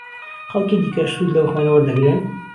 خهڵکی دیکهش سوود لهو خوێنه وهردهگرن.